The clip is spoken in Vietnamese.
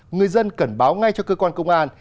người dân cần báo ngay cho cơ quan công an